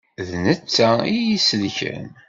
D netta i yi-isellken.